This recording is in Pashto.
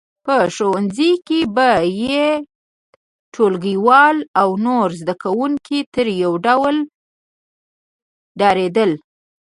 په ښوونځي کې به یې ټولګیوال او نور زده کوونکي ترې یو ډول ډارېدل